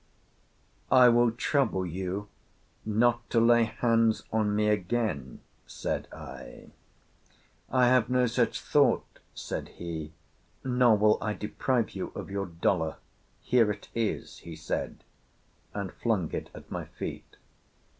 "'I will trouble you not to lay hands on me again,' said I. "'I have no such thought,' said he, 'nor will I deprive you of your dollar. Here it is,' he said, and flung it at my feet.